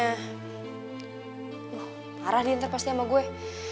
aduh parah nih ntar pasti sama gue